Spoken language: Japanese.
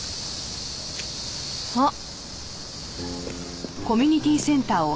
あっ！